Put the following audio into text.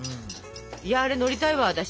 いやあれ乗りたいわ私。